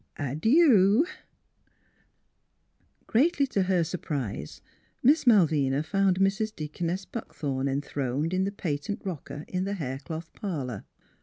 Add you !" Greatly to her surprise Miss Malvina found Mrs. Deaconess Buckthorn enthroned in the patent rocker in the hair cloth parlor.